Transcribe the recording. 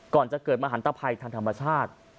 ก่อนจะเกิดมหันตภัยทางธรรมชาติ